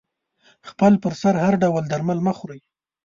خپل پر سر هر ډول درمل مه خوری